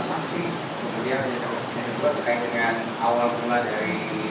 dengan awal awal dari